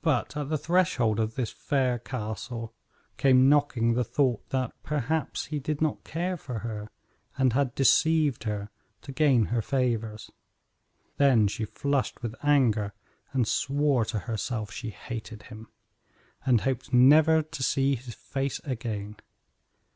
But at the threshold of this fair castle came knocking the thought that perhaps he did not care for her, and had deceived her to gain her favors. Then she flushed with anger and swore to herself she hated him, and hoped never to see his face again.